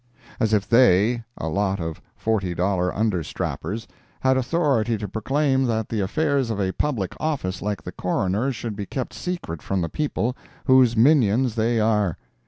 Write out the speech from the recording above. As if they—a lot of forty dollar understrappers—had authority to proclaim that the affairs of a public office like the Coroner's should be kept secret from the people, whose minions they are!